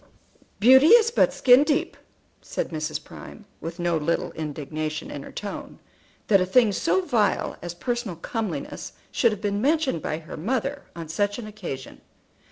"Beauty is but skin deep," said Mrs. Prime, with no little indignation in her tone, that a thing so vile as personal comeliness should have been mentioned by her mother on such an occasion.